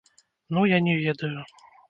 Ну я не ведаю.